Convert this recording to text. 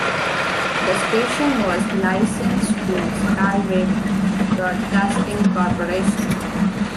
The station was licensed to Skyway Broadcasting Corporation.